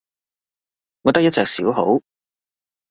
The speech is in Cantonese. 我得一隻小號